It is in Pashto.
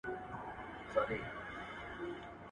• اړ سترگي نه لري.